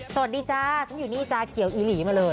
จ้าฉันอยู่นี่จาเขียวอีหลีมาเลย